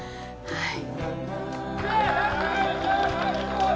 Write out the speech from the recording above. はい。